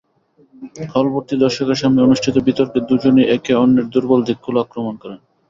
হলভর্তি দর্শকের সামনে অনুষ্ঠিত বিতর্কে দুজনেই একে অন্যের দুর্বল দিকগুলো আক্রমণ করেন।